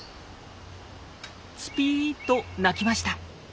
「ツピー」と鳴きました。